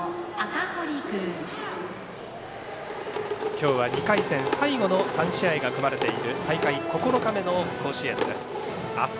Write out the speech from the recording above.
今日は２回戦最後の３試合が組まれている大会９日目の甲子園です。